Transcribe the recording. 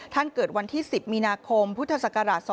ท่านเกิดวันที่๑๐มินาคมพศ๒๔๘๑